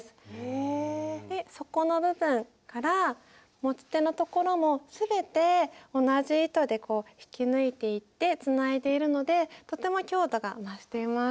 底の部分から持ち手のところも全て同じ糸で引き抜いていてつないでいるのでとても強度が増しています。